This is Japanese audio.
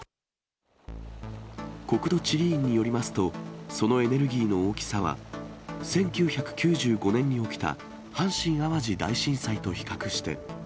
国土地理院によりますと、そのエネルギーの大きさは、１９９５年に起きた阪神・淡路大震災と比較して。